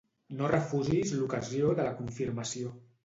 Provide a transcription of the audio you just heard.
No refusis l'ocasió de la confirmació.